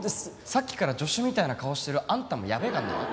さっきから助手みたいな顔してるあんたもやべえかんな。